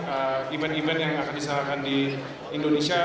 event event yang akan disahkan di indonesia